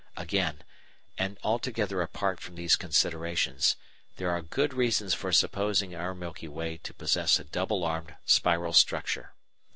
Again, and altogether apart from these considerations, there are good reasons for supposing our Milky Way to possess a double armed spiral structure.